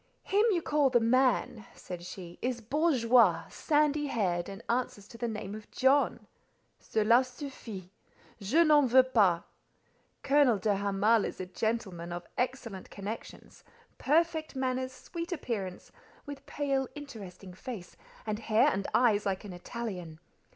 "Him you call the man," said she, "is bourgeois, sandy haired, and answers to the name of John!—cela suffit: je n'en veux pas. Colonel de Hamal is a gentleman of excellent connections, perfect manners, sweet appearance, with pale interesting face, and hair and eyes like an Italian.